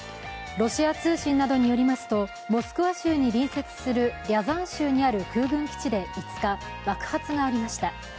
ロシア通信などによりますとモスクワ州に隣接するリャザン州にある空軍基地で５日爆発がありました。